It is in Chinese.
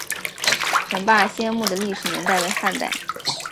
陈霸先墓的历史年代为汉代。